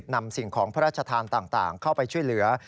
นำสิ่งของพระราชทานต่างเข้าไปช่วยเหลือ